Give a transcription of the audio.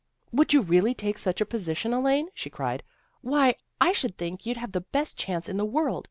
" Would you really take such a position, Elaine?" she cried. "Why, I should think you'd have the best chance in the world.